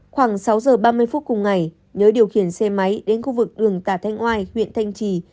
khoảng sáu giờ ba mươi phút cùng ngày nhớ điều khiển xe máy đến khu vực đường tà thanh oai huyện thanh trì